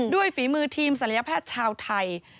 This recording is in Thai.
ฝีมือทีมศัลยแพทย์ชาวไทย